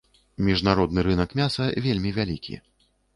Міжнародны рынак мяса вельмі вялікі.